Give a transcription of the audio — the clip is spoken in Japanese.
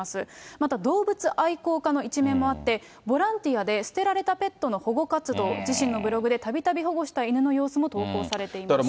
また、動物愛好家の一面もあって、ボランティアで捨てられたペットの保護活動、自身のブログでたびたび保護した犬の様子も投稿されていました。